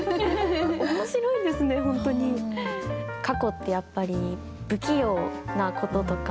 過去ってやっぱり不器用なこととか。